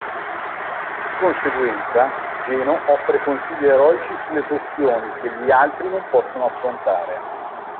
Di conseguenza, Geno offre consigli eroici sulle questioni che gli altri non possono affrontare.